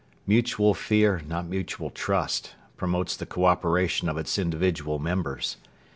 Mutual fear, not mutual trust, promotes the co operation of its individual members.